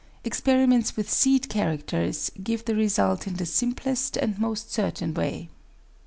Experiments with seed characters give the result in the simplest and most certain way.